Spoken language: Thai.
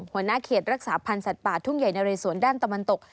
หัวหน้าเขตรักษาพันธ์สัตว์ป่าทุ่งใหญ่นะเรสวนด้านตะวันตก